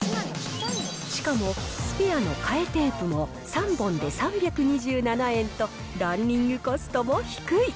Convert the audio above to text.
しかも、スペアの替えテープも３本で３２７円と、ランニングコストも低い。